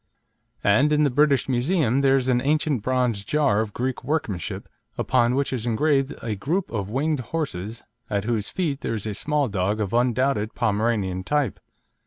and in the British Museum there is an ancient bronze jar of Greek workmanship, upon which is engraved a group of winged horses at whose feet there is a small dog of undoubted Pomeranian type.